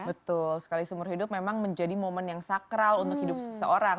betul sekali seumur hidup memang menjadi momen yang sakral untuk hidup seseorang